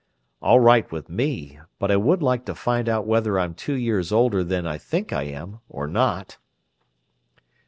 "All right with me. But I would like to find out whether I'm two years older than I think I am, or not!"